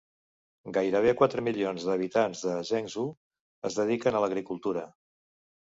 Gairebé quatre milions dels habitants de Zhengzhou es dediquen a l'agricultura.